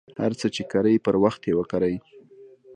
هر څه ،چې کرئ پر وخت یې وکرئ.